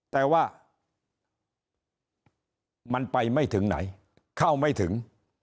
แต่ว่ามันไปไม่ถึงไหนเข้าไม่ถึง